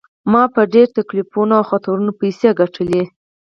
ما په ډیرو تکلیفونو او خطرونو پیسې ګټلي.